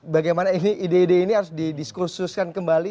bagaimana ini ide ide ini harus didiskursuskan kembali